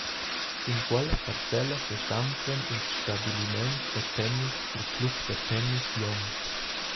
Sin quella parcella sesanflan ils stabiliments da tennis dil Club da tennis Glion.